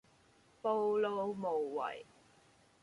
暴露無遺